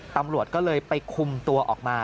ตำรวจก็เลยไปคุมตัวออกมา